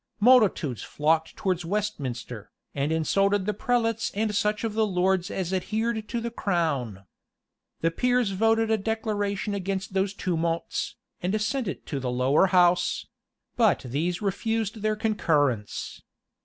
Multitudes flocked towards Westminster, and insulted the prelates and such of the lords as adhered to the crown. The peers voted a declaration against those tumults, and sent it to the lower house; but these refused their concurrence.